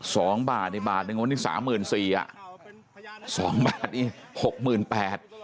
สองบาทนี่บาทหนึ่งวันนี้สามหมื่นสี่อ่ะสองบาทนี่หกหมื่นแปด